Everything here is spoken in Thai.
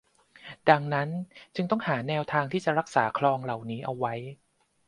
ดังนั้นจึงต้องหาแนวทางที่จะรักษาคลองเหล่านี้เอาไว้